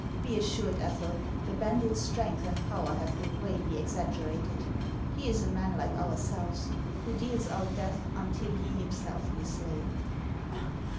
Be assured, Ethel, the bandit's strength and power have been greatly exaggerated. He is a man like ourselves, who deals out death until he himself be slain."